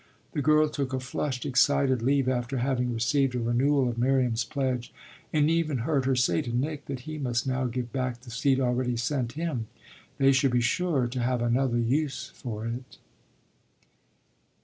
The girl took a flushed, excited leave after having received a renewal of Miriam's pledge and even heard her say to Nick that he must now give back the seat already sent him they should be sure to have another use for it.